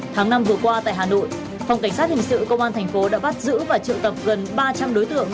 tháng năm vừa qua tại hà nội phòng cảnh sát hình sự công an thành phố đã bắt giữ và triệu tập gần ba trăm linh đối tượng